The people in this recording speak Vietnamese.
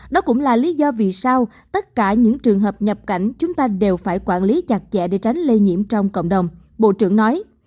đó cũng là lý do vì sao tất cả những trường hợp nhập cảnh chúng ta đều phải quản lý chặt chẽ để tránh lây nhiễm trong cộng đồng bộ trưởng nói